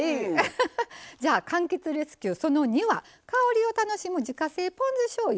かんきつレスキュー・その２は香りを楽しむ自家製ポン酢しょうゆ。